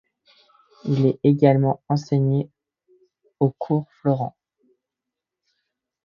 Il est également enseignant au Cours Florent.